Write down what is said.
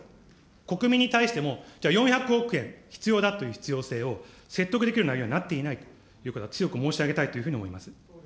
国民に対しても、じゃあ、４００億円必要だという必要性を説得できる内容になっていないと強く申し上げたいというふうに思います。